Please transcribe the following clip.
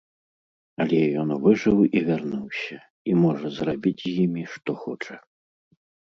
Але ён выжыў і вярнуўся і можа зрабіць з імі што хоча.